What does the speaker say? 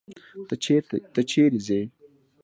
ته چيري ځې؟